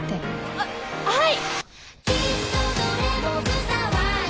あっはい！